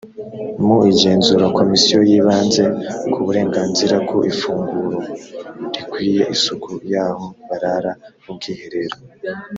mu igenzura komisiyo yibanze ku burenganzira ku ifunguro rikwiye isuku y aho barara ubwiherero